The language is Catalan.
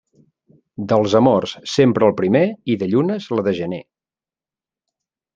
Dels amors, sempre el primer, i de llunes, la de gener.